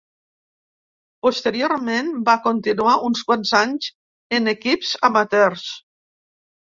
Posteriorment va continuar uns quants anys en equips amateurs.